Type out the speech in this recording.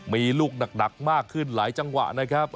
มีลูกหนักมากขึ้นหลายจังหวะนะครับ